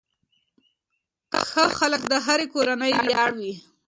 ښه خلک د هرې کورنۍ ویاړ وي.